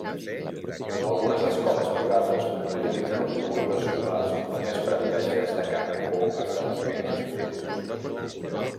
Algunes escoles privades utilitzen autobusos escolars només per a viatges de camp o esdeveniments esportius.